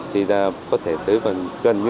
thì có thể tới gần một trăm linh